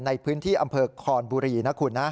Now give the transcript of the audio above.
ในพื้นที่อำเภอคอนบุรีนะคุณนะ